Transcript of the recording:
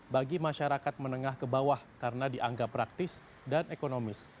bagi masyarakat menengah ke bawah karena dianggap praktis dan ekonomis